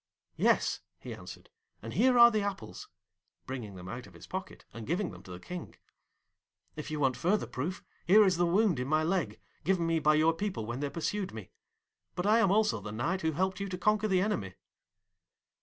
'Yes,' he answered, 'and here are the apples,' bringing them out of his pocket, and giving them to the King. 'If you want further proof, here is the wound in my leg given me by your people when they pursued me. But I am also the Knight who helped you to conquer the enemy.'